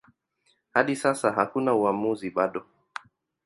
Hadi sasa hakuna uamuzi bado.